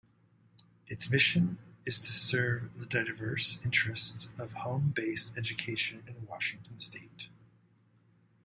Its mission is to serve the diverse interests of home-based education in Washington State.